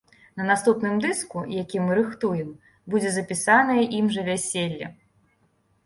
На наступным дыску, які мы рыхтуем, будзе запісанае ім жа вяселле.